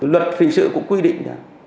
luật hình sự cũng quy định